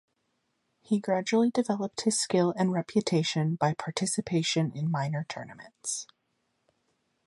He gradually developed his skill and reputation by participation in minor tournaments.